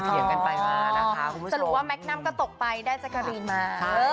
หรือว่าแมคน่ำก็ตกไปได้จักรีนมา